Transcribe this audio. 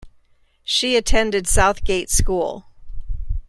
She attended Southgate School.